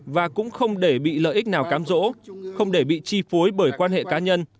và cũng không để bị lợi ích nào cám rỗ không để bị chi phối bởi quan hệ cá nhân